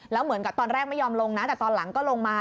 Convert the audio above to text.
แล้วเหมือนกับตอนแรกไม่ยอมลงนะแต่ตอนหลังก็ลงมา